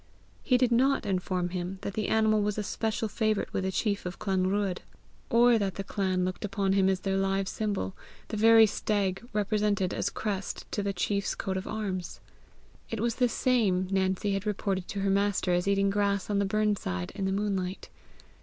He did not inform him that the animal was a special favourite with the chief of Clanruadh, or that the clan looked upon him as their live symbol, the very stag represented as crest to the chief's coat of arms. It was the same Nancy had reported to her master as eating grass on the burn side in the moonlight.